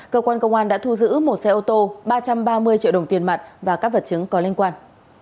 cơ quan công an đã thu giữ một xe ô tô ba trăm ba mươi triệu đồng tiền mặt và các vật chứng có liên quan